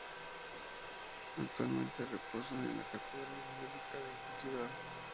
Actualmente, reposan en la Catedral Basílica de esa ciudad.